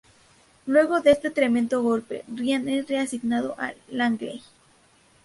Luego de este tremendo golpe, Ryan es reasignado a Langley.